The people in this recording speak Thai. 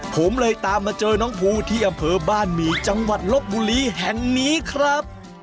ผมเลยตามมาเจอน้องภูที่อำเภอบ้านหมี่จังหวัดลบบุรีแห่งนี้ครับ